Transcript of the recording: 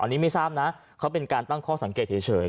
อันนี้ไม่ทราบนะเขาเป็นการตั้งข้อสังเกตเฉย